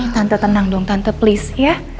tante tenang dong tante please ya